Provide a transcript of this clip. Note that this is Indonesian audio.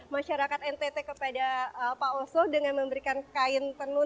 masyarakat ntt kepada pak oso dengan memberikan kain tenun